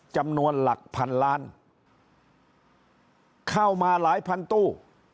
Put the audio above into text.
จำนวนหลักพันล้านเข้ามาหลายพันตู้